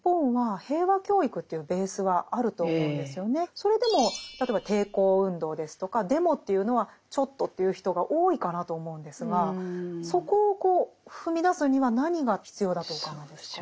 それでも例えば抵抗運動ですとかデモというのはちょっとという人が多いかなと思うんですがそこを踏み出すには何が必要だとお考えですか？